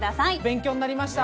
勉強になりました。